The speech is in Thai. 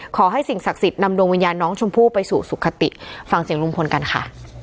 ขอให้สิ่งศักดิ์สิทธิ์นำดวงวิญญาณน้องชมพู่ไปสู่สุขติฟังเสียงลุงพลกันค่ะ